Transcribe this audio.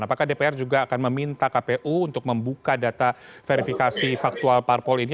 apakah dpr juga akan meminta kpu untuk membuka data verifikasi faktual parpol ini